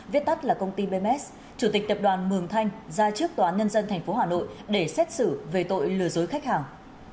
viết tắt là công ty bms chủ tịch tập đoàn mường thanh ra trước tòa án nhân dân tp hà nội để xét xử về tội lừa dối khách hàng